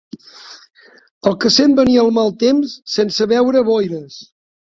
El que sent venir el mal temps sense veure boires